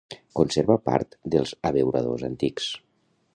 Conserva part dels abeuradors antics.